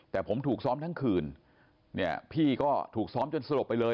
แต่ผมถูกซ้อมทั้งคืนเนี่ยพี่ก็ถูกซ้อมจนสลบไปเลย